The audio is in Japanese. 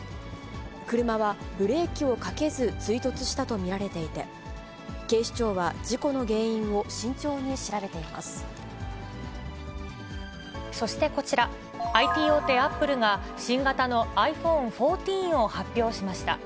車はブレーキをかけず、追突したと見られていて、警視庁は、そしてこちら、ＩＴ大手、アップルが新型のｉＰｈｏｎｅ１４を発表しました。